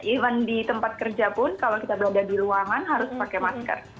even di tempat kerja pun kalau kita berada di ruangan harus pakai masker